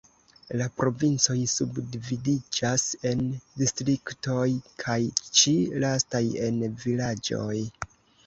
La provincoj subdividiĝas en distriktoj kaj ĉi lastaj en vilaĝoj.